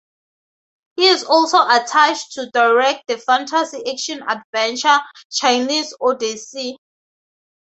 He is also attached to direct the fantasy action adventure "Chinese Odyssey".